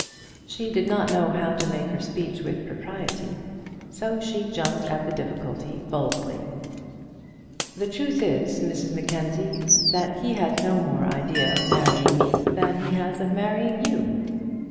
She did not know how to make her speech with propriety, so she jumped at the difficulty boldly. "The truth is, Mrs Mackenzie, that he has no more idea of marrying me than he has of marrying you."